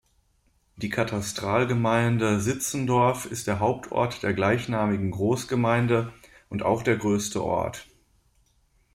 Die Katastralgemeinde Sitzendorf ist der Hauptort der gleichnamigen Großgemeinde und auch der größte Ort.